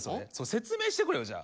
説明してくれよじゃあ。